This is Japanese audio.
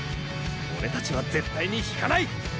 オレたちは絶対に引かない！